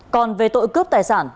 còn về tội cướp tài sản